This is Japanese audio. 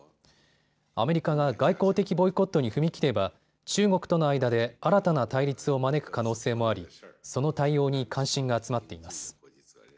アメリカが外交的ボイコットに踏み切れば中国との間で新たな対立を招く可能性もありその対応に関心が集まっています。